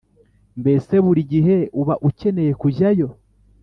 Mbese buri gihe uba ukeneye kujyayo